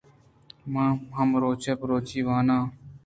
من ھمروچ بلوچی وان آں